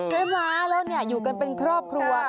แม่ม้าแล้วเนี่ยอยู่กันเป็นครอบครัว